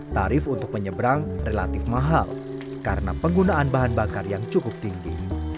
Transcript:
tarif untuk menyeberang relatif mahal karena penggunaan bahan bakar yang cukup tinggi